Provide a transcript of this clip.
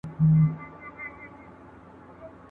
استعدادونه باید وپاللو.